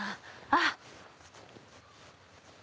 あっ。